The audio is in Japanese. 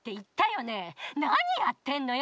何やってんのよ！